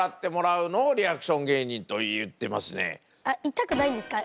痛くないんですか？